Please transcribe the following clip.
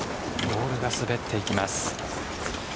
ボールが滑っていきます。